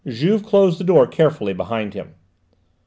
Juve closed the door carefully behind him.